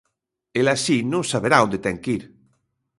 El así non saberá ónde ten que ir.